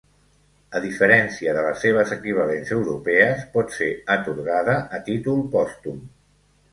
A diferència de les seves equivalents europees, pot ser atorgada a títol pòstum.